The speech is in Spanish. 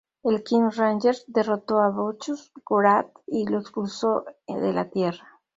El King Ranger derrotó a Bacchus Wrath y lo expulsó de la Tierra.